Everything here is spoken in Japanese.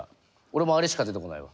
俺もあれしか出てこないわ。